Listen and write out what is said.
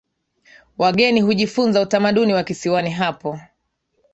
Wageni hujifunza utamaduni wa kisiwani hapo